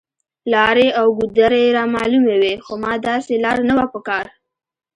لارې او ګودرې رامعلومې وې، خو ما داسې لار نه وه په کار.